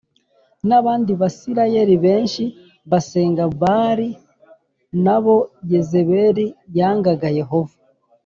n abandi Bisirayeli benshi gusenga Baali na bo Yezebeli yangaga Yehova